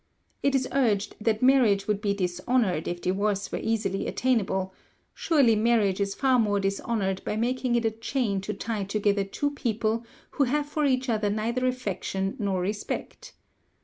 It is urged that marriage would be dishonoured if divorce were easily attainable; surely marriage is far more dishonoured by making it a chain to tie together two people who have for each other neither affection nor respect.